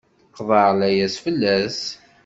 Qeḍɛeɣ layas fell-as!